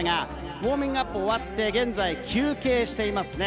ウォーミングアップを終わって現在、休憩しています。